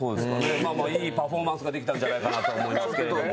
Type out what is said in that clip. いいパフォーマンスができたんじゃないかと思うんですけど。